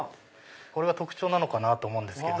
これが特徴だと思うんですけど。